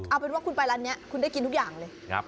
เอาเป็นว่าคุณไปร้านนี้คุณได้กินทุกอย่างเลย